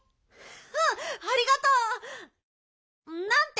うんありがとう！なんて